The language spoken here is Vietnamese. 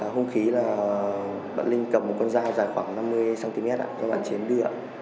hông khí là bạn linh cầm một con dao dài khoảng năm mươi cm cho bạn chiến đưa